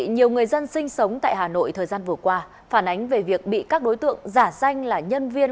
nhiều người dân sinh sống tại hà nội thời gian vừa qua phản ánh về việc bị các đối tượng giả danh là nhân viên